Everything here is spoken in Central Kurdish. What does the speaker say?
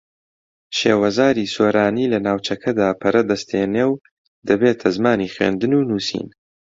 شێوەزاری سۆرانی لە ناوچەکەدا پەرە دەستێنێ و دەبێتە زمانی خوێندن و نووسین